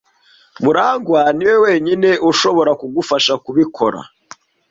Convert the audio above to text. Murangwa niwe wenyine ushobora kugufasha kubikora.